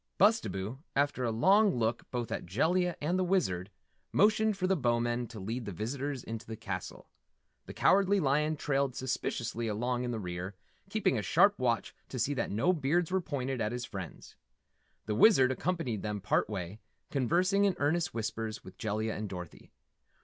Bustabo, after a long look both at Jellia and the Wizard, motioned for the Bowmen to lead the visitors into the castle. The Cowardly Lion trailed suspiciously along in the rear, keeping a sharp watch to see that no beards were pointed at his friends. The Wizard accompanied them part way, conversing in earnest whispers with Jellia and Dorothy.